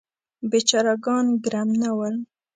بیچاره ګان ګرم نه ول.